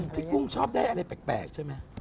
พี่กุ้งชอบได้อะไรแปลกใช่มั้ย